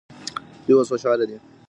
دوی اوس خوشحاله دي.